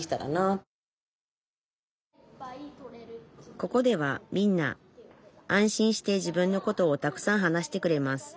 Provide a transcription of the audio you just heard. ここではみんな安心して自分のことをたくさん話してくれます。